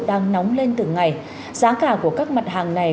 đang nóng lên từng ngày giá cả của các mặt hàng này